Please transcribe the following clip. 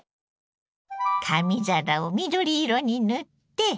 紙皿を緑色に塗って。